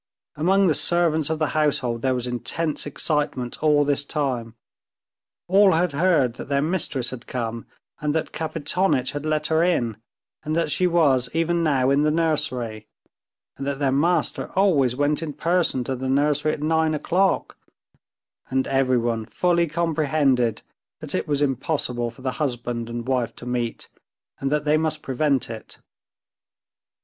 Among the servants of the household there was intense excitement all this time. All had heard that their mistress had come, and that Kapitonitch had let her in, and that she was even now in the nursery, and that their master always went in person to the nursery at nine o'clock, and everyone fully comprehended that it was impossible for the husband and wife to meet, and that they must prevent it.